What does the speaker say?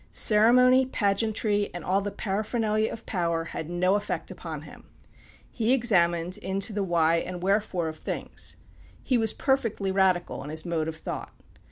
Ceremony, pageantry, and all the paraphernalia of power, had no effect upon him. He examined into the why and wherefore of things. He was perfectly radical in his mode of thought.